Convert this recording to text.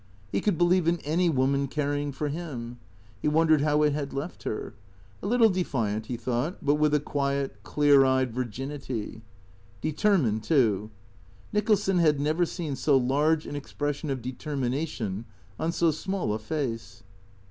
He could believe in any woman caring for Him. He wondered how it had left her. A little defiant, he thought, but with a quiet, clear eyed virginity. Determined, too. Nicholson had never seen so large an ex pression of determination on so small a face.